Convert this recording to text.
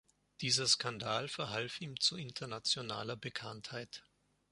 Dieser Skandal verhalf ihm zu internationaler Bekanntheit.